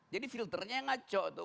jadi filternya yang ngaco tuh